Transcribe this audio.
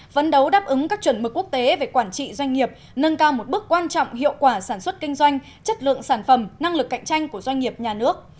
vấn đấu đáp ứng các chuẩn mực quốc tế về quản trị doanh nghiệp nâng cao một bước quan trọng hiệu quả sản xuất kinh doanh chất lượng sản phẩm năng lực cạnh tranh của doanh nghiệp nhà nước